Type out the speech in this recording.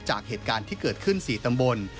จากเหตุการณ์ที่เกิดขึ้น๔ตำบล